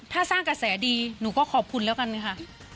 ถ้าสร้างกระแสดีหนูก็ขอบคุณแล้วกันค่ะ